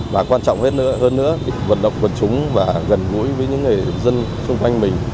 và quan trọng hơn nữa vận động quân chúng và gần gũi với những người dân xung quanh mình